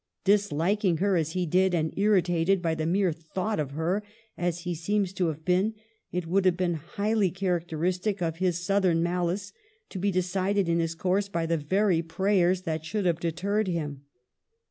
Disliking her as he did, and irritated by the mere thought of her as he seems to have been, it would have been highly characteristic of his southern malice to be decided in his course by the very prayers that should have deterred him.